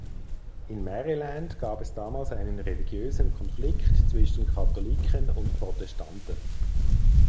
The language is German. In Maryland gab es damals einen religiösen Konflikt zwischen Katholiken und Protestanten.